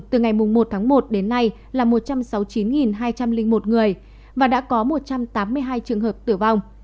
từ ngày một tháng một đến nay là một trăm sáu mươi chín hai trăm linh một người và đã có một trăm tám mươi hai trường hợp tử vong